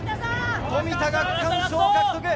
富田が区間賞を獲得！